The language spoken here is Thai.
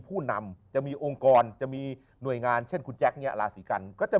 ผู้นำจะมีองค์กรจะมีหน่วยงานเช่นคุณแจ๊คเนี่ยราศีกันก็จะ